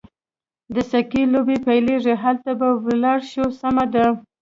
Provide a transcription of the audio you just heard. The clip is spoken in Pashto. د سکې لوبې پیلېږي، هلته به ولاړ شو، سمه ده.